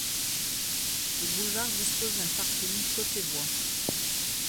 Le boulevard dispose d'un parking côté voies.